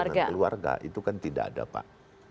bertemu dengan keluarga itu kan tidak ada pak